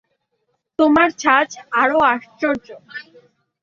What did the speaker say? তোমার ছাঁচ আরো আশ্চর্য।